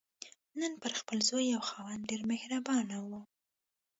نن پر خپل زوی او خاوند ډېره مهربانه وه.